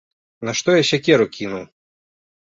Нашто я сякеру кінуў!